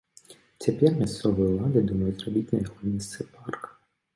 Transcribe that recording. Цяпер мясцовыя ўлады думаюць зрабіць на яго месцы парк.